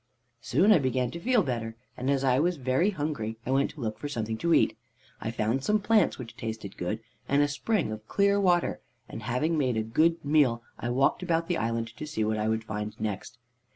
"Soon I began to feel better, and as I was very hungry I went to look for something to eat. I found some plants which tasted good, and a spring of clear water, and having made a good meal, I walked about the island to see what I would find next.